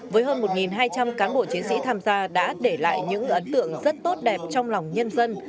với hơn một hai trăm linh cán bộ chiến sĩ tham gia đã để lại những ấn tượng rất tốt đẹp trong lòng nhân dân